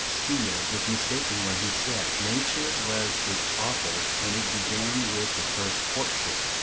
Steele was mistaken when he said "Nature was its author, and it began with the first courtship."